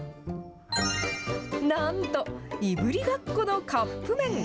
なんと、いぶりがっこのカップ麺。